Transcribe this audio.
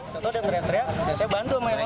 tentu ada yang teriak teriak saya bantu main lain